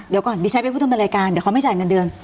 เดี๋ยวก่อนดิฉันเป็นผู้ทำรายการเดี๋ยวเขาไม่จ่ายเงินเดือน